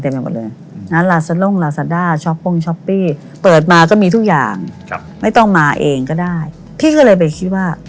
มันมีทุกอย่างไม่ต้องมาเองก็ได้พี่ก็เลยไปคิดว่า